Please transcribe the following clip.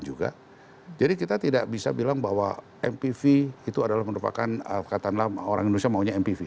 jadi kita tidak bisa bilang bahwa mpv itu adalah menurut pak alkatanlah orang indonesia maunya mpv